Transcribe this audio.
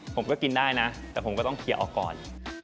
ผมก็กินได้นะแต่ผมก็ต้องเคลียร์ออกก่อน